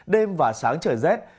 đêm và sáng trời rét